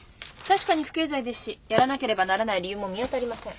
確かに不経済ですしやらなければならない理由も見当たりません。